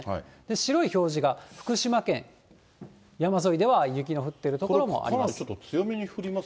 白い表示が福島県、山沿いでは雪の降っている所もあります。